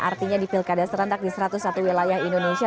artinya di pilkada serentak di satu ratus satu wilayah indonesia